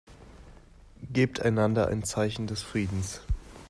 Gebt einander ein Zeichen des Friedens.